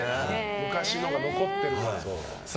昔のが残ってるから。